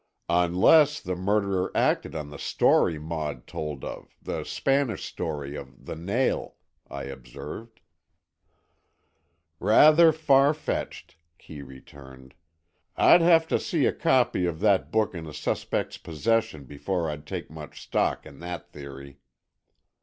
"Unless the murderer acted on the story Maud told of, the Spanish story of The Nail," I observed. "Rather far fetched," Kee returned. "I'd have to see a copy of that book in a suspect's possession before I'd take much stock in that theory."